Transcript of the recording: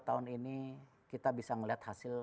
tahun ini kita bisa melihat hasil